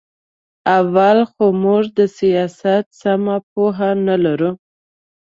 اول خو موږ د سیاست سمه پوهه نه لرو.